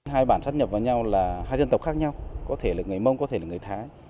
hai bản sắp nhập vào nhau là hai dân tộc khác nhau có thể là người mông có thể là người thái